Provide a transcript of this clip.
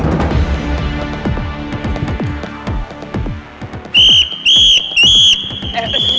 tolong jangan keranteng disini